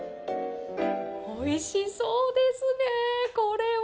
おいしそうですねえ、これは。